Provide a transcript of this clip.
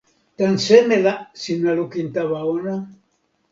tan seme la sina lukin tawa ona?